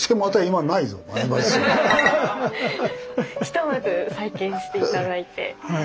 ひとまず再建して頂いてはい。